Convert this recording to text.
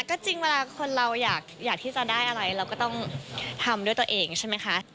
ก็จริงเวลาคนเราอยากที่จะได้อะไรเราก็ต้องทำด้วยตัวเองใช่ไหมคะ